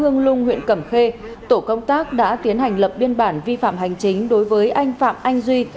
hương lung huyện cẩm khê tổ công tác đã tiến hành lập biên bản vi phạm hành chính đối với anh phạm anh duy